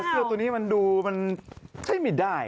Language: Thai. เออเสื้อตัวนี้มันดูมันไม่ได้